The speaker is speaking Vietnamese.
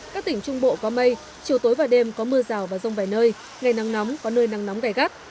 các tỉnh trung bộ có mây chiều tối và đêm có mưa rào và rông vài nơi ngày nắng nóng có nơi nắng nóng gai gắt